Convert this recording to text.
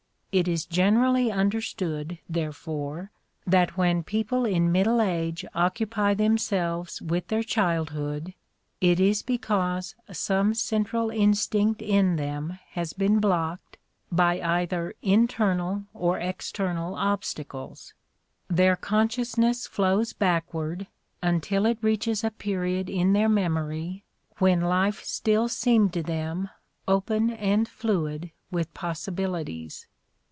It is generally understood, therefore, that when people in middle age occupy them selves with their childhood it is because some central instinct in them has been blocked by either internal or external obstacles : their consciousness flows backward until it reaches a period in their memory when life stiU seemed to them open and fluid with possibilities.